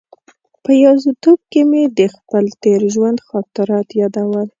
په یوازې توب کې مې د خپل تېر ژوند خاطرات یادول.